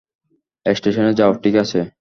স্টেশনে যাও, ঠিক আছে?